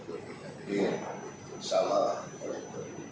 jadi salah lah oleh ugp